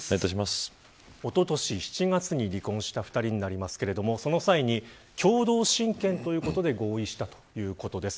おととし７月に離婚した２人になりますけどその際に、共同親権ということで合意したということです。